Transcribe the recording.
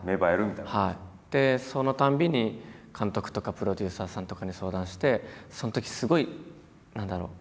でそのたんびに監督とかプロデューサーさんとかに相談してそのときすごい何だろう